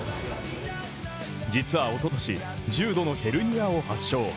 実はおととし、重度のヘルニアを発症。